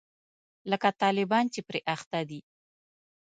لکه طالبان چې پرې اخته دي.